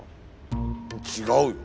違うよ。